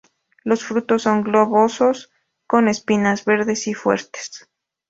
Los frutos son globosos con espinas, verdes y fuertes.